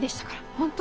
本当？